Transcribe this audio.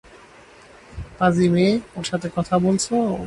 পাজি মেয়ে, ওর সাথে কথা বলেছো?